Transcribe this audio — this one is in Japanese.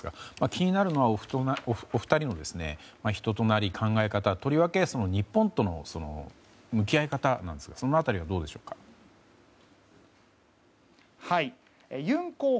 気になるのはお二人の人となり考え方、とりわけ日本との向き合い方なんですがその辺りはどうでしょうか。